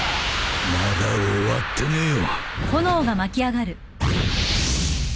まだ終わってねえよ。